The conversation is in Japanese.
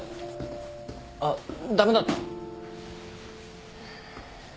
あっ駄目だった？